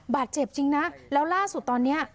บาดเจ็บจริงนะแล้วล่าสุดตอนนี้